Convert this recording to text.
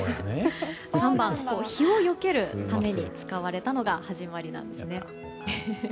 ３番、日をよけるために使われたのが始まりなんです。